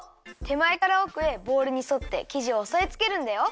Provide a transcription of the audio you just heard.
てまえからおくへボウルにそってきじをおさえつけるんだよ。